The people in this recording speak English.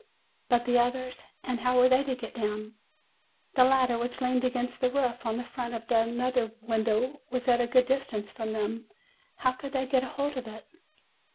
"But the others? And how were they to get down? The ladder which leaned against the roof on the front of another window was at a good distance from them. How could they get hold of it?